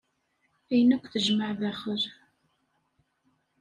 Ayen akk tejmaɛ daxel.